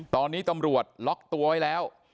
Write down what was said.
ตอนนี้ตำรวจล็อกตัวไว้แล้ว